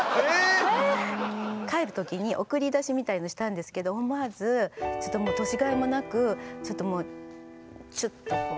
帰る時に送り出しみたいのしたんですけど思わずちょっともう年がいもなくちょっともうチュッとこう。